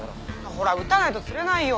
ほら打たないと釣れないよ。